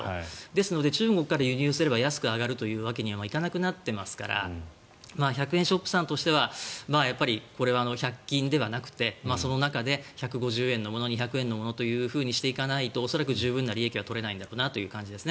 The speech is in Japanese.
ですので中国から輸入すれば安く上がるというわけにはいかなくなっていますから１００円ショップさんとしてはこれは１００均ではなくてその中で１５０円のもの２００円のものとしていかないと恐らく十分な利益が取れないだろうという感じです。